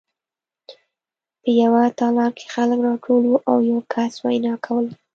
په یوه تالار کې خلک راټول وو او یو کس وینا کوله